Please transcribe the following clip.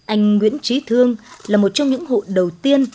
anh nguyễn trí thương là một trong những hộ đầu tiên